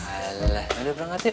alah ayo berangkat yuk